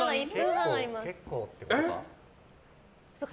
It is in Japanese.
結構ってことか？